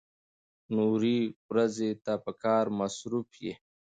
نورې ورځې ته په کار کې مصروف يې.